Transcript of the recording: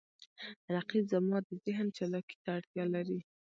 رقیب زما د ذهن چالاکي ته اړتیا لري